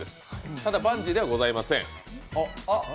ただ、バンジーではございません。